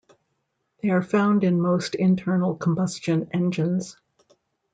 They are found in most internal combustion engines.